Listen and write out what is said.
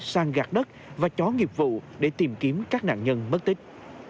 san gạt đất và chó nghiệp vụ để tìm kiếm các nạn nhân mất tích